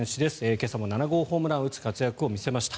今朝も７号ホームランを打つ活躍を見せました。